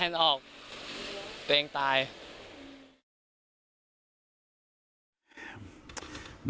แฟนออกเต็มตายอืม